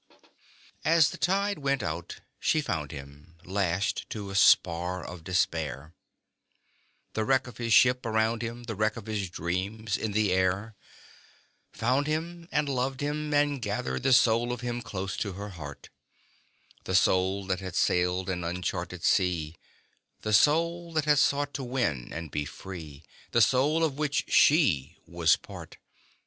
_ As the tide went out she found him Lashed to a spar of Despair, The wreck of his Ship around him The wreck of his Dreams in the air; Found him and loved him and gathered The soul of him close to her heart The soul that had sailed an uncharted sea, The soul that had sought to win and be free The soul of which she was part!